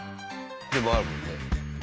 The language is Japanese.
でもあるもんね。